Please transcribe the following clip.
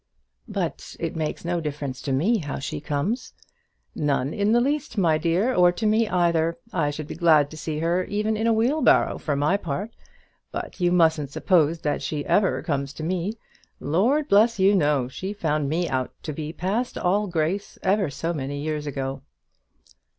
"But it makes no difference to me how she comes." "None in the least, my dear, or to me either. I should be glad to see her even in a wheelbarrow for my part. But you mustn't suppose that she ever comes to me. Lord bless you! no. She found me out to be past all grace ever so many years ago."